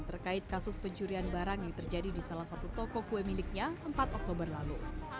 terkait kasus pencurian barang yang terjadi di salah satu toko kue miliknya empat oktober lalu